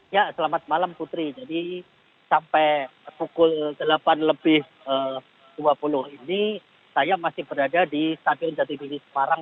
ya selamat malam putri jadi sampai pukul delapan lebih dua puluh ini saya masih berada di stadion jati diri semarang